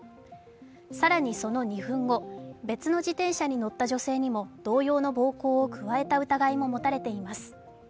更にその２分後別の自転車に乗った女性にも同様の暴行を加えた疑いが持たれています。